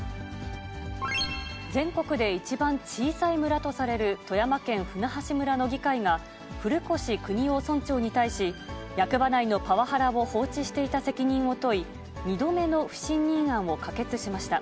全国で一番小さい村とされる、富山県舟橋村の議会が、古越邦男村長に対し、役場内のパワハラを放置していた責任を問い、２度目の不信任案を可決しました。